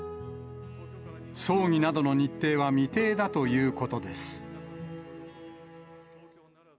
葬儀などの日程は未定だということです。